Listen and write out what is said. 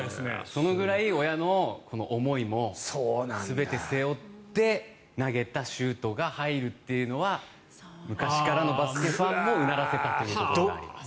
それくらい親の思いも全て背負って投げたシュートが入るというのは昔からのバスケファンもうならせたということになります。